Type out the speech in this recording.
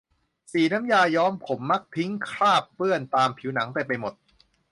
สีน้ำยาย้อมผมมักทิ้งคราบเปื้อนตามผิวหนังเต็มไปหมด